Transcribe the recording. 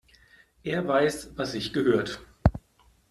Er weiß, was sich gehört.